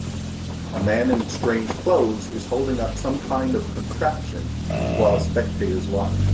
A man in strange clothes is holding up some kind of contraption while spectators watch.